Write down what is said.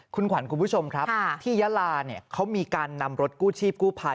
คุณขวัญคุณผู้ชมครับที่ยาลาเนี่ยเขามีการนำรถกู้ชีพกู้ภัย